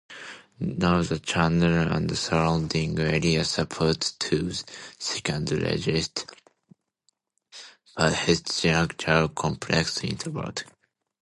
Now the channel and surrounding area support the second-largest petrochemical complex in the world.